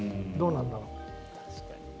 どうなんだろう。